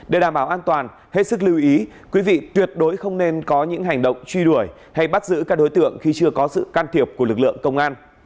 để đảm bảo an toàn hết sức lưu ý quý vị tuyệt đối không nên có những hành động truy đuổi hay bắt giữ các đối tượng khi chưa có sự can thiệp của lực lượng công an